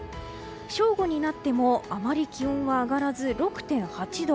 正午になってもあまり気温は上がらず６．８度。